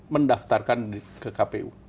mendaftarkan ke kpu